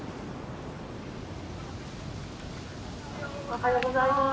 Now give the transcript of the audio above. おはようございます。